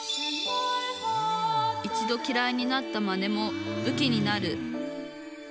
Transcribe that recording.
一度きらいになったマネもぶきになる。